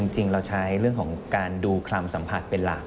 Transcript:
จริงเราใช้เรื่องของการดูคำสัมผัสเป็นหลัก